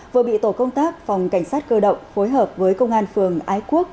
vừa bị tổ công tác phòng cảnh sát cơ động phối hợp với công an phường ái quốc